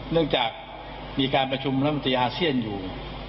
เนื่องจากมีการประชุมรัฐมนตรีอาเซียนอยู่